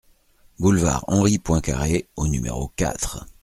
Boulevard Henri Poincaré au numéro quatre